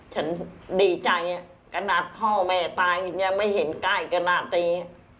ฉันดีใจก็นาดพ่อแม่ตายยังไม่เห็นใกล้ก็นาดตัวเอง